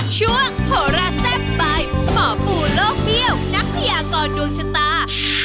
โหราแซ่บใบหมอปู่โลกเบี้ยวนักพยากรดวงชะตา